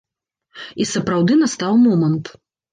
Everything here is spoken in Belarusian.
І сапраўды настаў момант.